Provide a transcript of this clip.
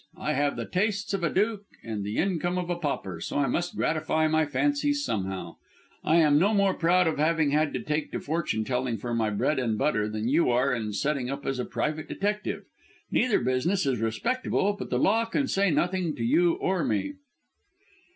I have the tastes of a duke and the income of a pauper, so I must gratify my fancies somehow. I am no more proud of having had to take to fortune telling for my bread and butter than you are in setting up as a private detective. Neither business is respectable, but the law can say nothing to you or me."